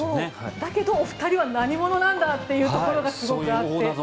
だけどお二人は何者なんだというところがあって。